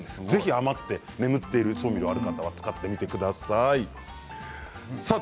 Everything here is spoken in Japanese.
眠っている調味料がある方は使ってみてください。